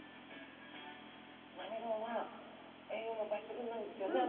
なめろうは栄養も抜群なんですよね。